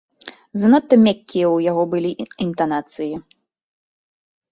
Занадта мяккія ў яго былі інтанацыі.